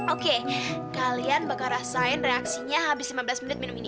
oke kalian bakal rasain reaksinya habis lima belas menit minum ini